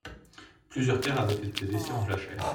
Plusieurs terres avaient été laissées en jachère.